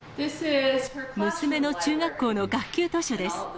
娘の中学校の学級図書です。